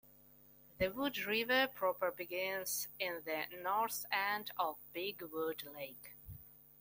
The Wood River proper begins at the north end of Big Wood Lake.